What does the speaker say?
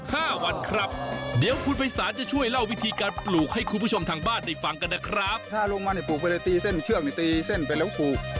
ถ้ารุงมันให้ปลูกไปแล้วตีเส้นเชือกตีเส้นไปแล้วปลูก